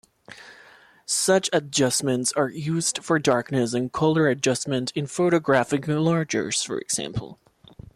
Such adjustments are used for darkness and color adjustment in photographic enlargers, for example.